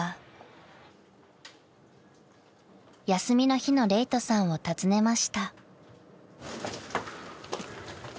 ［休みの日の礼人さんを訪ねました］